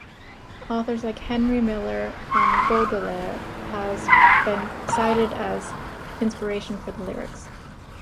Authors like Henry Miller and Baudelaire has been cited as inspiration for the lyrics.